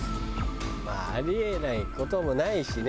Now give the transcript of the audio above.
まああり得ない事もないしね。